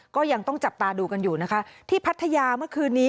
ก็ยังต้องจับตาดูกันอยู่นะคะที่พัทยาเมื่อคืนนี้